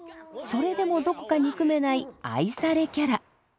それでもどこか憎めない愛されキャラ。